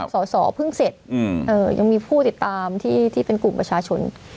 สตพึ่งเสร็จอืมเออยังมีผู้ติดตามที่ที่เป็นกลุ่มประชาชน